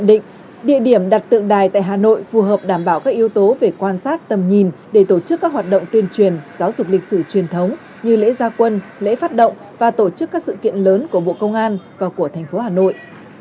định địa điểm đặt tượng đài tại hà nội phù hợp đảm bảo các yếu tố về quan sát tầm nhìn để tổ chức các hoạt động tuyên truyền giáo dục lịch sử truyền thống như lễ gia quân lễ phát động và tổ chức các sự kiện lớn của bộ công an và của thành phố hà nội